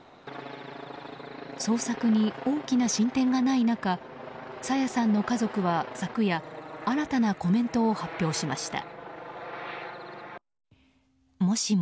捜索に大きな進展がない中朝芽さんの家族は昨夜、新たなコメントを発表しました。